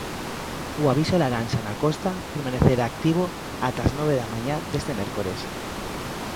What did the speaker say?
O aviso laranxa na costa permanecerá activo ata as nove da mañá deste mércores.